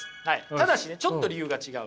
ただしねちょっと理由が違う。